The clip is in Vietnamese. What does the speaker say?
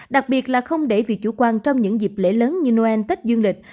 đặc biệt là không để vì chủ quan trong những dịp lễ lớn như noel tết dương lịch